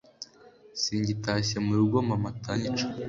Singitashye mu rugo mama atanyica